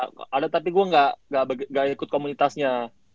oh ada ada tapi gue gak ikut komunitasnya